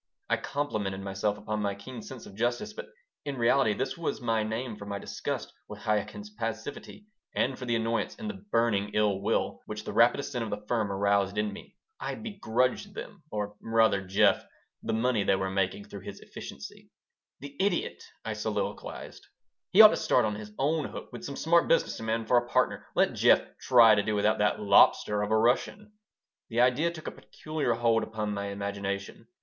I complimented myself upon my keen sense of justice, but in reality this was my name for my disgust with Chaikin's passivity and for the annoyance and the burning ill will which the rapid ascent of the firm aroused in me. I begrudged them or, rather, Jeff the money they were making through his efficiency "The idiot!" I soliloquized. "He ought to start on his own hook with some smart business man for a partner. Let Jeff try to do without that 'lobster' of a Russian." The idea took a peculiar hold upon my imagination.